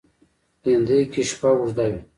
لېندۍ کې شپه اوږده وي.